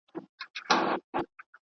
جرابې د خولو وروسته بدلې کړئ.